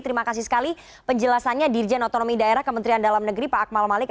terima kasih sekali penjelasannya dirjen otonomi daerah kementerian dalam negeri pak akmal malik